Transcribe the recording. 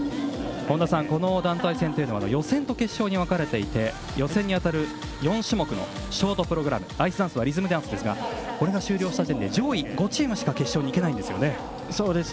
本田さん、この団体戦は予選と決勝に分かれていて予選にあたる４種目のショートプログラムアイスダンスはリズムダンスですがこれが終了した時点で上位５チームしか決勝に行けないんですね。